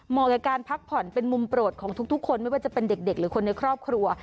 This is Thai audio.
กับการพักผ่อนเป็นมุมโปรดของทุกคนไม่ว่าจะเป็นเด็กหรือคนในครอบครัว